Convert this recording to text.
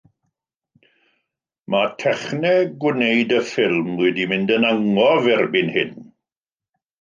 Mae techneg gwneud y ffilm wedi mynd yn angof erbyn hyn.